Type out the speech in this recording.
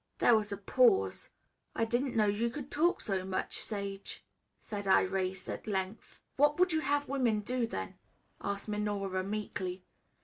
There was a pause. "I didn't know you could talk so much, Sage," said Irais at length. "What would you have women do, then?" asked Minora meekly.